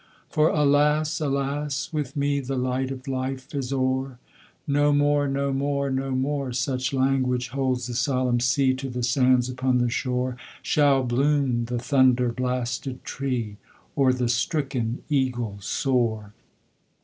For, alas! alas! with me The light of Life is o'er! "No more no more no more " (Such language holds the solemn sea To the sands upon the shore) Shall bloom the thunder blasted tree Or the stricken eagle soar!